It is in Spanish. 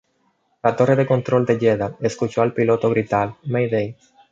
La torre de control de Jeddah escuchó al piloto gritar "¡Mayday!